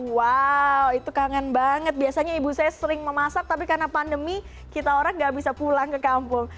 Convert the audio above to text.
wow itu kangen banget biasanya ibu saya sering memasak tapi karena pandemi kita orang gak bisa pulang ke kampung